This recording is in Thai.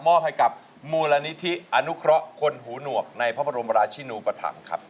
มอบให้กับมูลนิธิอนุเคราะห์คนหูหนวกในพระบรมราชินูปธรรมครับ